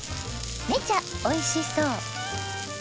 めちゃおいしそう！